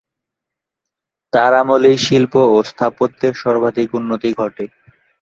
তার আমলেই শিল্প ও স্থাপত্যের সর্বাধিক উন্নতি ঘটে।